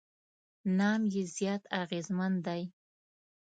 نام یې زیات اغېزمن دی.